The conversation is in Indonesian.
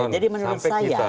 jadi menurut saya